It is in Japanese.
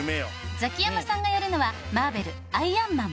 ザキヤマさんがやるのは『マーベルアイアンマンＶＲ』。